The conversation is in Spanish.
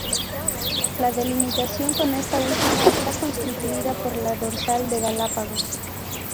La delimitación con esta última está constituida por la dorsal de Galápagos.